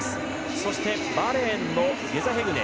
そしてバーレーンのゲザヘグネ。